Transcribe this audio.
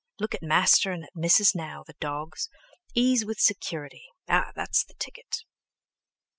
Look At Master and at Missis now, the dawgs! Ease with security—ah! that's the ticket!"